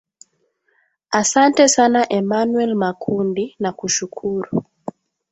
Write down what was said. asante sana emanuel makundi nakushukuru